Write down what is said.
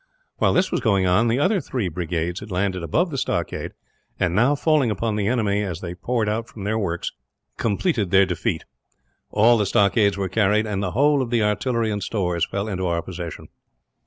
While this was going on, the other three brigades had landed above the stockade and, now falling upon the enemy as they poured out from their works, completed their defeat. All the stockades were carried, and the whole of the artillery and stores fell into our possession.